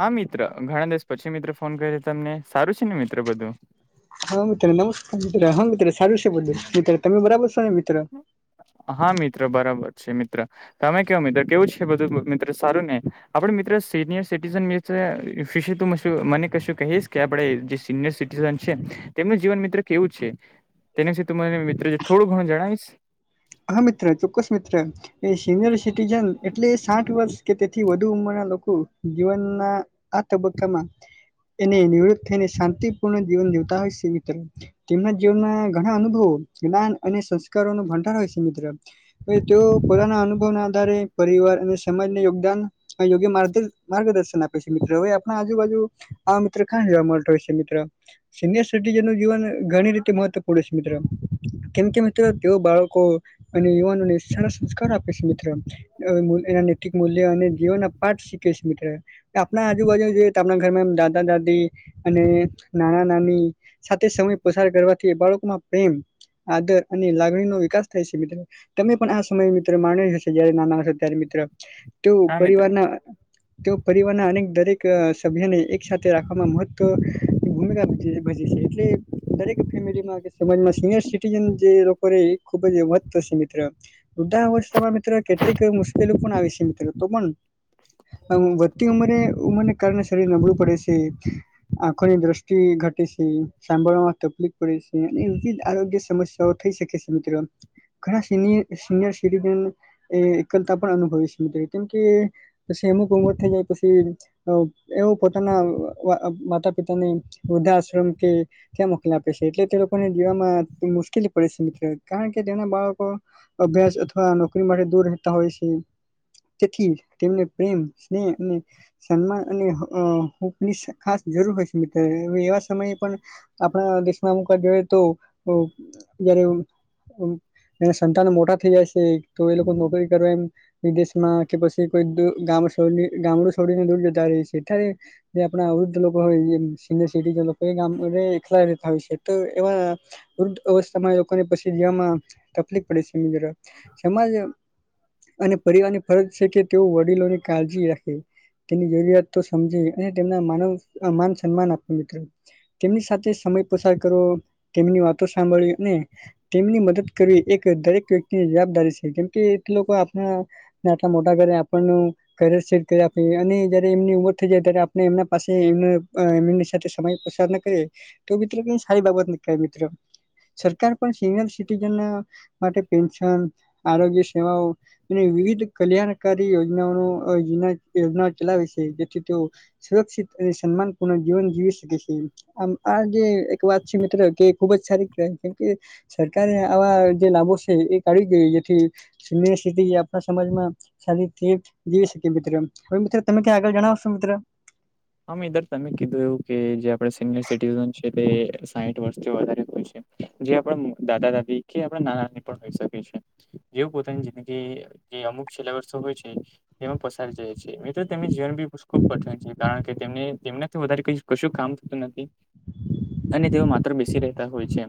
હા મિત્ર ઘણા દિવસ પછી મિત્રો ફોન કર તમને સારું છે ને મિત્રો બધું, હા, મિત્રો નમસ્કાર મિત્ર હા મિત્ર સારું છે બધું. મિત્ર તમે બરાબર છો ને મિત્રો? હા મિત્ર બરાબર છે મિત્ર. તમે ક્યો મિત્રો કેવું છે બધું?. મિત્રો સારું ને આપડે મિત્ર સિનિયર સિટીજનની. વ્હેર ઇફ શી તુ મસુ. [inaudible] મને કશું કહીશ કે આપડે જે સિનિયર સિટીઝન છે ને? તેમનું જીવન મિત્ર કેવું છે તેના વીશે મને મિત્ર થોડું ઘણું જણાવીશ. હ મિત્ર ચોક્કસ મિત્ર એ સિનિયર સિટીજન એટલે સાઠ વર્ષ કે તેથી, થી વધુ ઊંમરના લોકો જીવનના આ તબક્કામાં એને નિવૃત્ત થઈને શાંતિપૂર્ણ જીવન જીવતા હોય છે, મિત્ર તેમના જીવનમાં ઘણાં અનુભવો જ્ઞાન અને સંસ્કારોનો ભંડાર હોય છે, મિત્ર તેઓ પોતાના અનુભવના આધારે પરિવાર અને સમાજને યોગદાન આ યોગ્ય માર્ગડી માર્ગદર્શન આપે છે મિત્ર હવે આપણા આજુબાજુ આ મિત્ર કાં જોવા મળતો હોયશે મિત્ર સિનિયર સિટીજનનું જીવન ઘણી રીતે મહત્વપૂર્ણ છે, મિત્ર કેમ કે મિત્રો તેઓ બાળકો અને યુવાનોને સારા સંસ્કાર આપે છે, મિત્ર [unintelligible] નૈતિક મૂલ્ય અને જીવનના પાઠ શીખવે છે, મિત્ર આપણા આજુબાજુ જોઈએ તો આપણા ઘરમાં એમ દાદા દાદી અને નાના નાની સાથે સમય પસાર કરવાથી બાળકોમાં પ્રેમ, આદર અને લાગણીનો વિકાસ થાય છે, મિત્ર તમે પણ આ સમય મિત્ર માણ્યો જ હશે જયારે નાના હશે ત્યારે મિત્ર [unintelligible] હા મિત્ર પરિવારના તેઓ પરિવારના અનેક દરેક સભ્યને એક સાથે રાખવામાં મહત્વ ભૂમિકા ભજવે છે, ભજે છે, એટલે દરેક ફેમિલીમાં કે સમાજમાં સિનિયર સિટીજન જે લોકો રેય ખુબ જ [unintelligible] છે, મિત્ર વૃધ્ધા અવસ્તામાં મિત્ર કેટલીક એવી મુશ્કેલીઓ પણ આવે છે, મિત્ર તો પણ આમ વધતી ઉંમરે ઉંમરને કારણે શરીર નબળું પડે છે. આંખોની દ્રષ્ટિ ઘટે છે, સાભળવામાં તફલીક પડે સે અને વિવિધ આરોગ્ય સમસ તો થઈ શકેે છે, મિત્ર ઘણા સિનિ સિનયર સિટીજન એ એકલતા પણ અનુભવે છે, મિત્ર કેમ કે પછી અમુક ઉંમર થઈ જાય પછી અ એવું પોતાના વા માતા પિતાને વૃદ્ધા આશ્રમ કે ત્યાં મોકલે આપે સે એટલે તે લોકોને જીવામાં મુશ્કેલી પડે સે મિત્ર કારણ કે તેના બાળકો અભ્યાસ અથવા નોકરી માથી દૂર રહેતા હોય છે. તેથી તેમને પ્રેમ, સ્નેહ અને સન્માન અને હ અ હૂંફની સુ ખાસ જરૂર હોય છે, મિત્ર અવે એવા સમયે પણ આપણા દેશમાં અમુક વાર જોયે તો બઉ જયારે એવુ એના સંતાનો મોટા થઇ જાય સે તો એ લોકો નોકરી કરવા એમ વિદેશમાં કે પછી કોઈક દૂ ગામડ સોડી ગામડું સોડીને દૂર જતા રેય છે, ત્યારે જે આપણા વૃદ્ધ લોકો હોય એમ સિનિયરસિટી લોકો એ ગામડે એખલા રેતા હોય છે. તો એવા વૃદ્ધ અવસ્થામાં એ લોકોને પ રેવામાં ટફલિક પડે સે મિત્ર સમાજ અને પરિવારની ફરજ છે, કે તેઓ વડીલોની કાળજી રાખે તેની જરૂરિયાત તો સમજે અને તેમના માનવ માન સન્માન આપે મિત્ર તેમની સાથે સમય પસાર કરો તેમની વાતો સાંભળી અને તેમની મદદ કરવી એક દરેક વ્યક્તિની જવાબદારી છે, કેમકે તે લોકો આપણા ને આટલા મોટા કરયા આપણનું ધરે સે કરી આપીએ અને જયારે એમની ઉંમર થઇ જાય ત્યારે આપણે એમના પાસે એમનું અ એમીની સાથે સમય પસા તો આપણે કહીએ તો મિત્ર કેવ સારી બાબત ની કેવાય મિત્ર સરકાર પણ સિનિયર સિટીઝનના માટે પેન્શન, આરોગ્ય સેવાઓ, અને વિવિધ કલ્યાણકારી યોજનાઓનો અ યુનાડ યોજનાઓ ચલાવે છે, જેથી તેઓ સુરક્ષિત અને સન્માનપૂર્ણ જીવન જીવી શકે છે. આમ આ જે એક વાત છે, મિત્ર કે ખુબ જ સારી કેવાય કેમ કે સરકારે આવા જે લાભો છે, એ કાઢી દેય જેથી ને [inaudible] સિતી જ આપણા સમાજમાં શાદીથી એક જીવી શકીએ મિત્રમ હવે મિત્ર તમે ક્યા આગળ જણાવશો મિત્ર હા મિત્ર તમે કીધું એવું કે જે આપડે સિનિયર સિટીઝન છે તે સાઇઠ વર્ષથી વધારે હોય છે. જે આપણામ દાદા દાદી કે આપણા નાનાની પણ હોઈ શકે છે. જેઓ પોતાની જિંદગી જે અમુક છેલા વર્ષો હોય છે તેમાં પસારી જાય છે. ને તેમની જીવન બી ખુબ કઠન છે કારણ કેમને તેમનાથી વધારે કઇ કશું કામ થતું નથી. અને તેઓ માત્ર બેસી રેહતા હોય છે.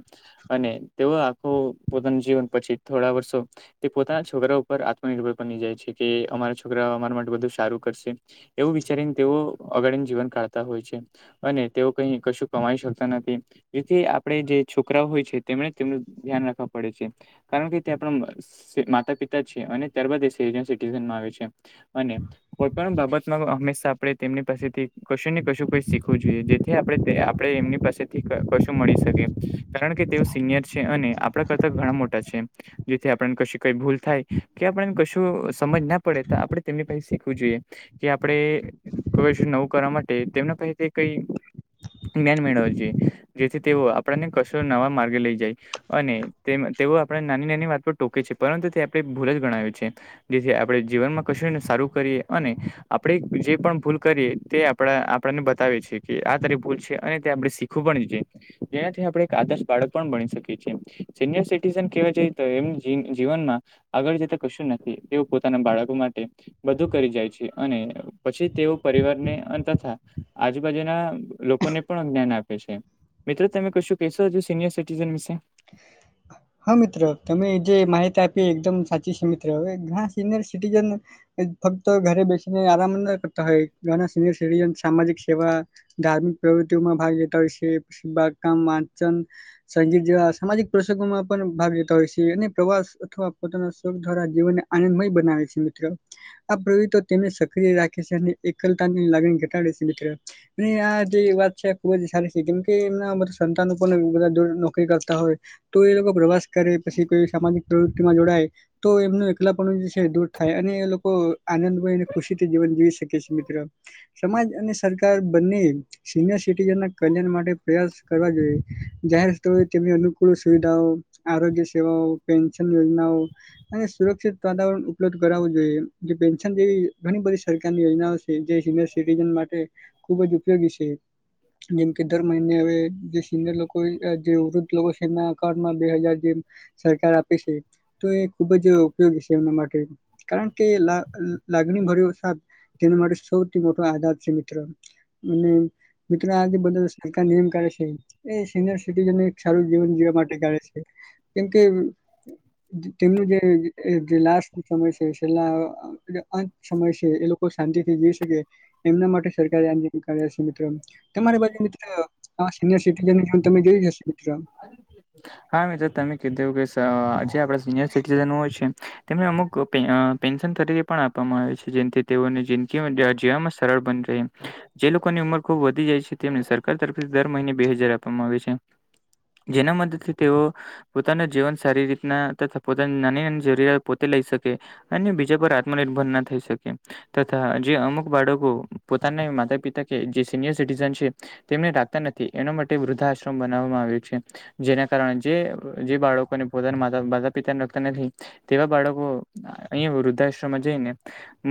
અને તેઓ આખો પોતાનું જીવન પછી થોડા વર્ષો તે પોતાના છોકરા ઉપર આત્મનિર્ભર બની જાય છે કે અમારા છોકરા અમારા માટે બધું સારું કરશે. એવું વિચારીને તેઓ અગાળને જીવન કાઢતા હોય છે. અને તેઓ કઈ કશું કમાઈ શકતા નથી. જેથી આપડે જે છોક ક્રા હોય છે તેમને તેમનું ધ્યાન રાખવા પડે છે. કારણ કે તે આપણા બસ સે માતા પિતા છે અને ત્યારબાદ એ સિરિયન સિટીઝન માં આવે છે અને કોઈ પણ બાબતમાં હંમેશા આપડે તેમની પાસેથી કશું ને કશું કોઈ શીખવું જોઈએ જેથી આપડે તે આપ આપડે એમની પાસેથી ક કશું મળી શકે કારણ કે તેઓ સિનિયર છે અને આપડા કરતા ઘણા મોટા છે જેથી આપણને કશું કઈ ભૂલ થાય કે આપણાને કશું સમજ ના પડે તો આપડે તેમની પાહે શી શીખવું જોએ કે આપડે કવજ નવું કરવા માટે તેમના પાહે કઈ જ્ઞાન મેળવા જોઈએ જેથી તેઓ આપડાને કશો નવા માર્ગે લઈ જાય. અને તેમ તેઓ આપડાને નાની નાની વાત પર ટોકે છે પરંતુ તે આપડે ભૂલ જ ગણાવે છે. જેથી આપડે જીવનમાં કશુંને સારું કરીએ અને આપડે જે પણ ભૂલ કરીએ તે આપડા આપડાને બતાવે છે કે આ તારી ભૂલ છે અને તે આપડે શી [inaudible] ખૂબણ જે જેનાથી આપડે એક આદર્શ બાળક પણ બની શકીએ છે સિનિયર સટીઝન કેવા જયે તો એમ જીન જીવનમાં આગળ જતા કશું નથી તેઓ પોતાના બાળકો માટે બધું કરી જાય છે અને પછી તેઓ પરિવારને અન તથા આજુબાજુના લોકોને પણ જ્ઞાન આપે છે. મિત્ર તમે કશું કહેશો હજુ સિનિયર સિટીઝન વિશે? હા મિત્ર તમે જે માહિતી આપી એકદમ સાચી છે મિત્ર અવે ઘણા સિનિયર સિટીઝન એ ફક્ત ઘરે બેસીને આરામ ન કરતા હોય ઘણા સિનયર સીટીઝન સામાજિક સેવા ધાર્મિક પ્રવૃત્તિઓમાં ભાગ લેતા હોય છે બાગ કામ વાંચન સંગીત જેવા સામાજિક પ્રસગોમાં પન ભાગ લેતા હોય છે અને પ્રવાસ અથવા પોતાના સુખ દ્વારા જીવનને આનંદમય બનાવે છે મિત્ર આ પ્રવૃતિ તો તેમને સક્રિય રાખે છે અને એકલતાની લાગણી ઘટાડે મિત્ર અને આ જે વાત છે ખુબ જ સારી છે કેમ કે એમના બધા સંતાનો પણ બધા દુર નોકરી કરતા હોય તો એ લોકો પ્રવાસ કરે પછી કોઈ સામાજિક પ્રવૃત્તિમાં જોડાય તો એમનું એકલા પણું જે છે દૂર થાય અને એ લોકો આનંદમયને ખુશીથી જીવન જીવી શકે છે મિત્ર. સમાજ અને સરકાર બંને સિનિયર સિટીઝનના કલ્યાણ માટે પ્રયાસ કરવા જોઈએ. જાહેર સ્થળોએ તેમની અનુકૂળ સુવિધાઓ આરોગ્ય સેવાઓ પેન્શન યોજનાઓ અને સુરક્ષિત વાતાવરણ ઉપલબ્ધ કરાવવું જોઈએ જે પેન્શન જેવી ઘણી બધી સરકારની યોજનાઓ સે એ જે સિનિયર સિટીન માટે ખુબ જ ઉપયોગી છે. જેમ કે દર મહિને અવે જે સિનિયર લોકો અ જે વૃદ્ધ લોકો છે એમના એકાઉન્ટમાં બે હજાર જે સરકાર આપે છે તો એ ખુબ જ ઉપયોગી છે એમના માટે કારણ કે લા લાગણી ભર્યો સાદ તેના માટે સૌથી મોટો આધાર છે મિત્ર મને. મિત્ર આ જે બધા સરકાર નિયમ કાઢે છે એ સિનિયર સિટીઝને સારું જીવન જીવા માટે કાઢે છે. કેમકે વ તેમનું જે જે લાસ્ટ સમય છે. છેલ્લા આ જ સમય છે. એ લોકો શાંતિથી જીવી શકે. એમના માટે સરકારી આંદોલન કરે છે. મિત્રો, તમારી બાજુ મિત્ર સિનયર સિટીઝન નું કામ તમે જોયું જ હશે. મિત્ર, હા મિત્ર તમે કીધું એવું કઈશ આજે આપણે સિનિયર સિટીજન હોય છે. તેમને અમુક પે-પેન્શન તરીકે પણ આપવામાં આવે છે જેમથી તેઓને જિંદગી જીવામાં સરળ બને. ને એમ જે લોકોની ઉંમર ખુબ વધી જાય છે તેમને સરકાર તરફથી દર મહિને બે હજાર આપવામાં છે. જેના મદદથી તેઓ પોતાનું જીવન સારી રીતના તથા પોતાની નાની નાની જરૂરિયાત પોતે લઈ શકે. અને બીજા પર આત્મનિર્ભર ના થઈ શકે, તથા જે અમુક બાળકો પોતાને માતા-પિતા કે જે સિનિયર સિટીઝન છે. તેમને રાખતા નથી એના માટે વૃદ્ધાશ્રમ બનાવવામાં આવ્યો છે. જેના કારણે જે જે બાળકોને, પોતાના માતા-માતા પિતાને રાખતા નથી તેવા બાળકો વૃદ્ધાશ્રમમાં જઈને,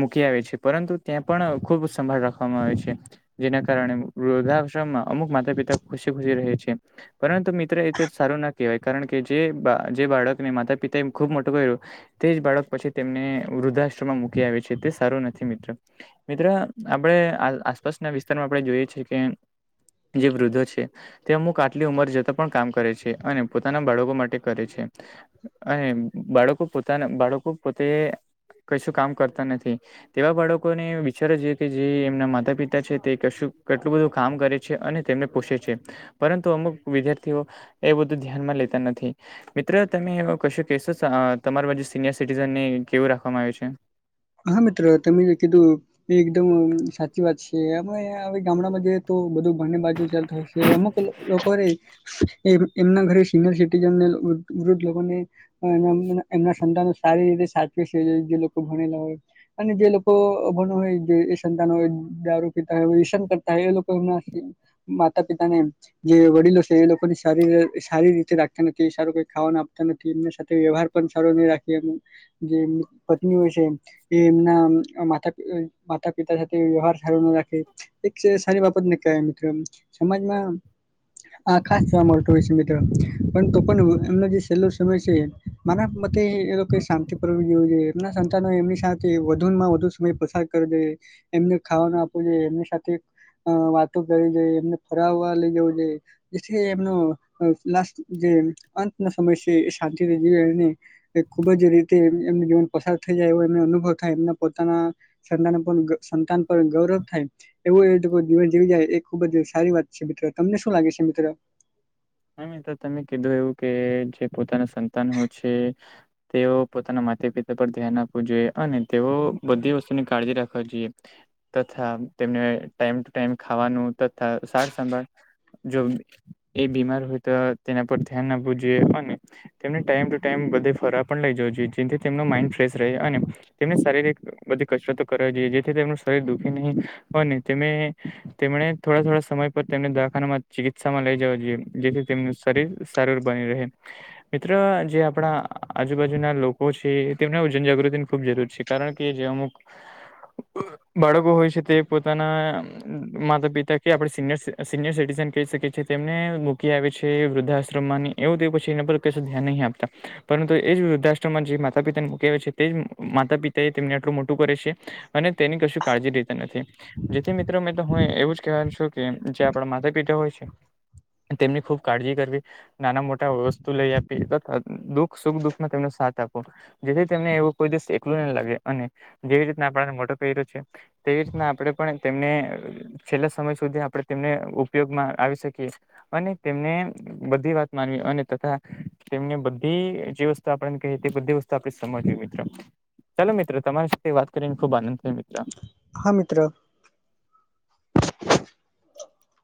મૂકી આવે છે. પરંતુ ત્યાં પણ ખુબ સંભાળ રાખવામાં આવે છે. જેના કારણે, વૃદ્ધાશ્રમમાં અમુક માતા-પિતા ખુશી ખુશી રહે છે. પરંતુ મિત્ર એ તો સારું ના કહેવાય કારણ કે, કે જે બાળક જે બાળકને માતા પિતા એ ખુબ મોટું કર્યું. તે જ બાળક પછી, તેમને વૃદ્ધાશ્રમમાં મૂકી આવે છે. તે સારો નથી મિત્ર, મિત્ર આપડે આસ-આસપાસના વિસ્તારમાં આપડે જોઈએ છે કે એમ, જે વૃદ્ધો છે તે અમુક આટલી ઉંમર જતા પણ કામ કરે છે, અને પોતાના બાળકો માટે કરે છે. અને બાળકો પોતાના બાળકો પોતે કશું કામ કરતા નથી. તેવા બાળકોને વિચારવું જોઈએ કે જે એમના માતા-પિતા છે તે કશું કેટલું બધું કામ કરે. છે, અને તેમને પોષે છે, પરંતુ અમુક વિદ્યાર્થીઓ એ બધું ધ્યાનમાં લેતા નથી મિત્રો તમે એવો કશો કેશો! તમારા બાજુ સિનિયર સિટીઝન ને કેવું રાખવામાં આવ્યું છે? હા મિત્ર તમે કીધું, એ એકદમ સાચી વાત છે. એમાંય હવે આ ગામડામાં જઈએ તો બધું બને બાજુ ચાલતુ હોય છે. અમુક લોકો લોકોને એમ-એમના ઘરે સિનયર સિટીઝનને વૃદ્ધ લોકોને [unintelligible] એમના સંતાનો સારી રીતે સાચવે છે. જે લોકો, ભણેલા હોય અને જે લોકો અભણ હોય જે એ સંતાનો દારૂ પીતા હોય, વ્યસન કરતા હોય એ લોકો એમના માતા-પિતા ને એમ, જે વડીલો છે, એ લોકોને સારી સારી રીતે રાખતા નથી. સારું કોઈ ખાવાનું આપતા નથી. એમની સાથે વ્યવહાર પણ સારો નહી રાખીએ જે પત્ની હોય છે. તે એમના માતા માતા, પિતા સાથે વ્યવહાર સારો ના રાખે. એક સારી બાબત ન કહેવાય મિત્ર સમાજમાં આ ખાસ જોવા મળતું, હોય છે. મિત્ર પણ તો પણ એમનો જે છેલ્લો સમય છે, મારા મતે એ લોકો શાં તિ [unintelligible] એમના સં સંતાનો એમની સાથે વધુમાં સમય પસાર કરવો જોઈએ. એમને ખાવાનું આપવુ જોઈએ. એમની સાથે અ વાતો કરવી જોઈએ. એમને ફરવવા લઇ જવું જોઈએ. જેથી એમનું લાસ્ટ જે અં તનો સમય છે, એ શાંતિથી જીવે અને તે ખુબજ રીતે એમનું જીવન પસાર. થઈ જાય એવો એમને અનુભવ થાય, એમના પોતાના સંતાન પર ગૌરવ થાય એવું એ લોકો જીવન જીવી જાય. ખુબજ સારી વાત છે મિત્ર, તમને શું લાગે છે મિત્ર? હા, તો મિત્ર તમે કીધું એવું કે જે પોતાના સંતાન હોય છે. તેઓ પોતાના માતા-પિતા પર ધ્યાન આપવું જોઈએ અને તેઓ બધી વસ્તુની કાળજી રાખવા જોઈએ. તથા તેમને ટાઈમ ટુ ટાઈમ ખાવાનું તથા સાર સંભાળ જો એ બીમાર હોય તો તેના પર ધ્યાન આપવું જોઈએ અને તેને ટાઈમ ટુ ટાઈમ બધૂ ફરવા પણ લઇ જવો જેથી તેમનો માઇન્ડ ફ્રેશ રહે અને તેમને શારીરિક બધી કસરતો કરવી જોઈએ જેથી તેમનું શરીર દુઃખી નહી હોયને તેમને તેમણે થોડા થોડા સમય પર તેમને દવાખાનામાં ચિકિત્સામાં લઈ જવા જોઈએ. જેથી તેમનું શરીર સરર બની રહે. મિત્ર જે આપણા આજુબાજુ ના લોકો છે, તેમને જનજાગૃતિની ખુબ જરૂર છે. કારણકે જે અમુક બાળકો હોય છે તે પોતાના માતા પિતા કે આપડે સિનયર સિનિયર સિટીઝન કહી શકીએ તેમને કે આવે છે વૃદ્ધાશ્રમ માંની એવું પછી એના ક ધ્યાન નહી આપતા પરંતુ એજ વૃદ્ધાશ્રમમાં જે માતા પિતાને મૂકવે છે, તે જ માતા પિતા એ તેમને એટલું મોટું કરે છે. અને તેની કશું કાળજી રેતા નથી. જેથી મિત્રો મેં તો હું એવું જ કહેવાનું છું કે જે આપડા માતા પિતા હોય છે. તેમની ખૂબ કાળજી કરવી નાના મોટા વસ્તુ લઈ આપી ત દુઃખ સુખ દુઃખમાં તેમનો સાથ આપો જેથી તેમને એવું કોઈ દિવસ એકલું નહી લાગે અને જેવી રીત આપડાને મોટો કર્યો છે. તેવી રીતના આપડે પણ તેમને છેલ્લો સમય સુધી આપડે તેમને ઉપયોગમાં આવી શકીએ. અને તેમને બધી વાત માનવી અને તથા તેમને બધી જે વસ્તુ તો આપણને કે તે બધી વસ્તુ આપણે સમજવી મિત્રો ચાલો મિત્ર તમારી સાથે વાત કરીને ખુબ આનંદ થાયો મિત્ર હા મિત્ર.